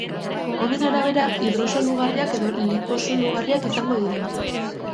Honen arabera, hidrosolugarriak edo liposolugarriak izango dira.